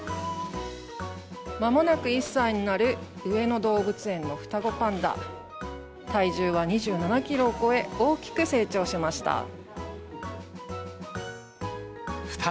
まもなく１歳になる上野動物園の双子パンダ、体重は２７キロを超え、大きく成長しました。